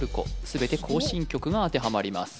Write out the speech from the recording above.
全て「行進曲」が当てはまります